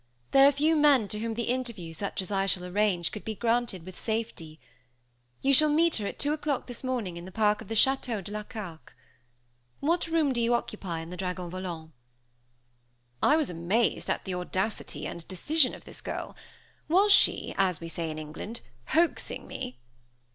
There are few men to whom the interview, such as I shall arrange, could be granted with safety. You shall meet her at two o'clock this morning in the Park of the Château de la Carque. What room do you occupy in the Dragon Volant?" I was amazed at the audacity and decision of this girl. Was she, as we say in England, hoaxing me?